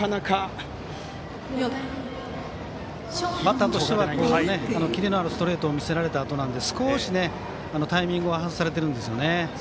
バッターとしてはキレのあるストレートを見せられたあとなので少しタイミングを外されているんですね。